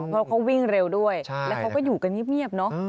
เพราะเขาวิ่งเร็วด้วยแล้วเขาก็อยู่กันเงียบเนอะ